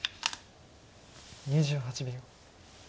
２８秒。